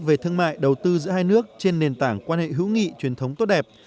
về thương mại đầu tư giữa hai nước trên nền tảng quan hệ hữu nghị truyền thống tốt đẹp